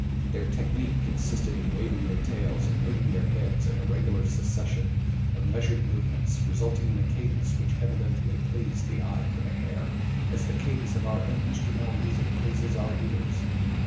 Their technic consisted in waving their tails and moving their heads in a regular succession of measured movements resulting in a cadence which evidently pleased the eye of the Mahar as the cadence of our own instrumental music pleases our ears.